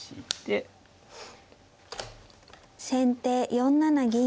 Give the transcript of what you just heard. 先手４七銀。